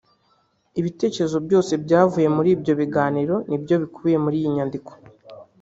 Ibitekerezo byose byavuye muri ibyo biganiro nibyo bikubiye muri iyi nyandiko